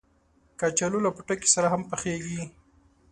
کچالو له پوټکي سره هم پخېږي